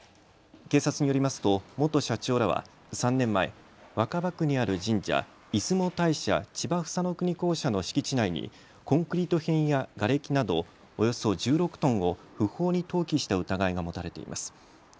警察によりますと元社長らは３年前、若葉区にある神社、出雲大社千葉総国講社の敷地内にコンクリート片やがれきなどおよそ１６トンを不法に投棄した疑いが持たれています。